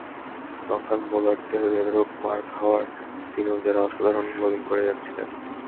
লঙ্কান বোলারদের বেধড়ক মার খাওয়ার দিনেও যাঁরা অসাধারণ বোলিং করে যাচ্ছিলেন।